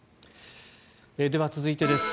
では、続いてです。